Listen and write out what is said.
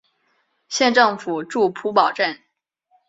县政府驻普保镇。